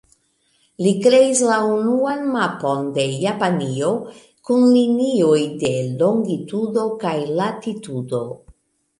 Li kreis la unuan mapon de Japanio kun linioj de longitudo kaj latitudo.